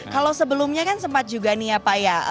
kalau sebelumnya kan sempat juga nih ya pak ya